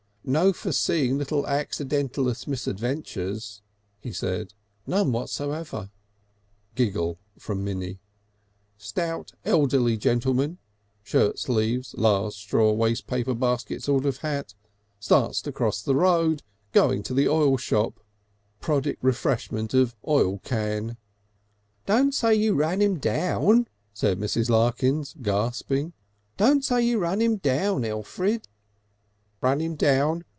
"No foreseeing little accidentulous misadventures," he said, "none whatever." (Giggle from Minnie.) "Stout elderly gentleman shirt sleeves large straw wastepaper basket sort of hat starts to cross the road going to the oil shop prodic refreshment of oil can " "Don't say you run 'im down," said Mrs. Larkins, gasping. "Don't say you run 'im down, Elfrid!" "Run 'im down!